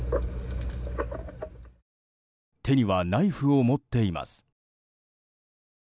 手にはナイフを持っています。